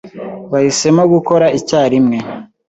Bahisemo gukora icyarimwe